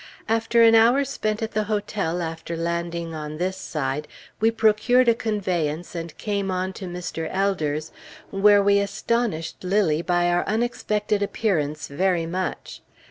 After an hour spent at the hotel after landing on this side, we procured a conveyance and came on to Mr. Elder's, where we astonished Lilly by our unexpected appearance very much.